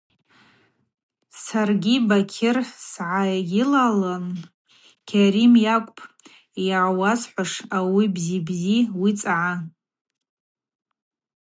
Саргьи Бакьыр сгӏайылалын: – Кьарим йакӏвпӏ йгӏауазхӏвуаш, ауи бзи-бзи уицӏгӏа.